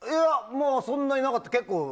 そんなになかった。